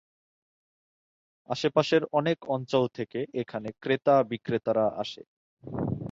আশেপাশের অনেক অঞ্চল থেকে এখানে ক্রেতা-বিক্রেতারা আসে।